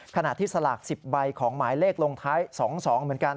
ขณะที่สลาก๑๐ใบของหมายเลขลงท้าย๒๒เหมือนกัน